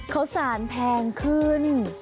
เขาสารแพงขึ้น